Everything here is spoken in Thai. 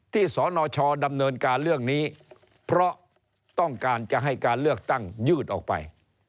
สนชดำเนินการเรื่องนี้เพราะต้องการจะให้การเลือกตั้งยืดออกไป